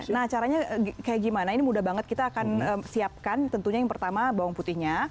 nah caranya kayak gimana ini mudah banget kita akan siapkan tentunya yang pertama bawang putihnya